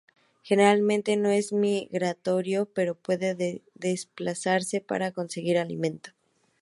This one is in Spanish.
Generalmente no es migratorio, pero puede desplazarse para conseguir alimento.